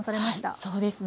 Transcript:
そうですね。